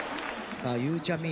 さあゆうちゃみ。